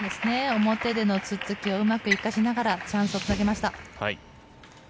表でのツッツキをうまく生かしながらチャンスにつなげました。